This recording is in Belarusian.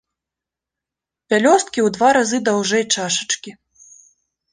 Пялёсткі ў два разы даўжэй чашачкі.